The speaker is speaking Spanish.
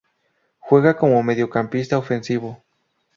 Juega como mediocampista ofensivo.